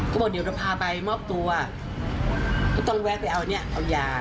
ก็บอกเดี๋ยวเราพาไปมอบตัวก็ต้องแวะไปเอาเนี่ยเอายา